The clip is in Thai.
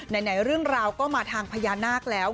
ไหนเรื่องราวก็มาทางพญานาคแล้ว